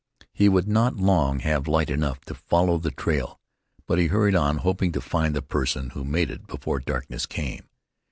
He would not long have light enough to follow the trail; but he hurried on hoping to find the person who made it before darkness came.